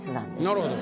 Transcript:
なるほど。